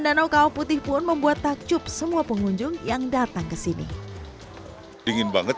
danau kawah putih pun membuat takjub semua pengunjung yang datang ke sini dingin banget